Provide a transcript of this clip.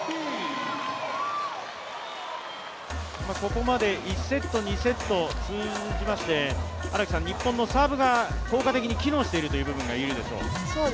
ここまで１セット、２セット通じまして日本のサーブが効果的に機能しているという部分が言えるでしょうか。